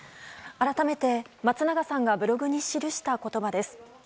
改めて、松永さんがブログに記した言葉です。